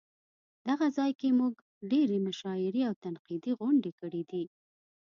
دغه ځای کې مونږ ډېرې مشاعرې او تنقیدي غونډې کړې دي.